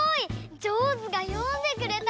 ジョーズが読んでくれた！